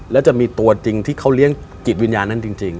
แล้วจะมีตัวจริงที่เขาเลี้ยงจิตวิญญาณนั้นจริง